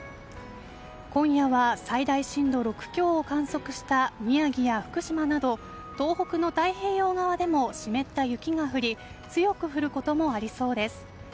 今夜は最大震度６強を観測した宮城や福島など東北の太平洋側でも湿った雪が降り強く降ることもありそうです。